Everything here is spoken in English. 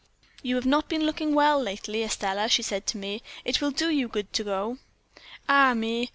"'You have not been looking well lately, Estelle,' she said to me; 'it will do you good to go.' "Ah, me!